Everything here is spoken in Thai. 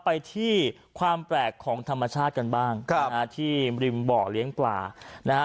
ไปที่ความแปลกของธรรมชาติกันบ้างนะฮะที่ริมบ่อเลี้ยงปลานะฮะ